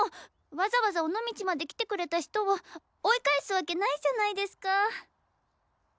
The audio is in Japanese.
わざわざ尾道まで来てくれた人を追い返すわけないじゃないですか。